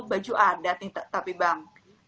baju adat nih tapi bang